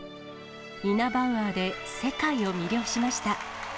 イナバウアーで世界を魅了しました。